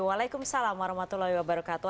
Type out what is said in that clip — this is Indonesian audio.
waalaikumsalam warahmatullahi wabarakatuh